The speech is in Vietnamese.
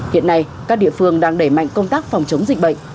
hiện nay các địa phương đang đẩy mạnh công tác phòng chống dịch bệnh